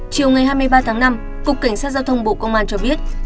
chiều ngày hai mươi ba tháng năm cục cảnh sát giao thông bộ công an cho biết